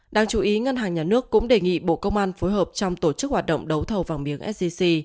đáng chú ý ngân hàng nhà nước cũng đề nghị bộ công an phối hợp trong tổ chức hoạt động đấu thầu vàng miếng sgc